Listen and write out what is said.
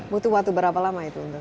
butuh waktu berapa lama itu untuk